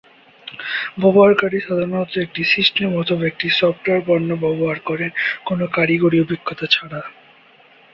ব্যবহারকারী সাধারণত একটি সিস্টেম অথবা একটি সফটওয়্যার পণ্য ব্যবহার করেন কোন কারিগরি অভিজ্ঞতা ছাড়া।